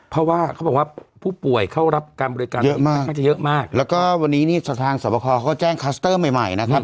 เพราะว่าเขาบอกว่าผู้ป่วยเข้ารับการบริการเยอะมากแล้วก็วันนี้ทางสวบคอเขาแจ้งคลัสเตอร์ใหม่นะครับ